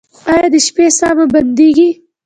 ایا د شپې ساه مو بندیږي؟